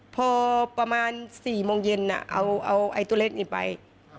พอประมาณ๔โมงเย็นน่ะเอาไอ้ตุรอิ๊บนี้ไป